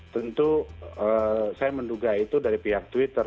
tentu saya menduga itu dari pihak twitter